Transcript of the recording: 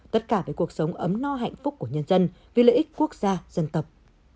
tất cả về cuộc sống ấm no hạnh phúc của nhân dân vì lợi ích quốc gia dân tộc